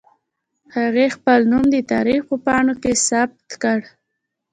هغې خپل نوم د تاریخ په پاڼو کې ثبت کړ